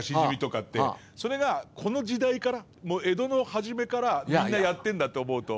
それがこの時代から江戸の初めからみんなやってるんだって思うと。